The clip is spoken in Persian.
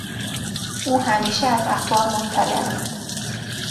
او همیشه از اخبار مطلع است.